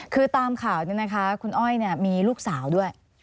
คือตามข่าวนี้นะคะคุณอ้อยมีลูกสาวด้วย